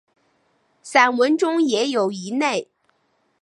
散文中也有一类。